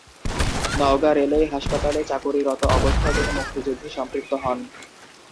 Naogaon railway হাসপাতালে চাকুরিরত অবস্থায় তিনি মুক্তিযুদ্ধে সম্পৃক্ত হন।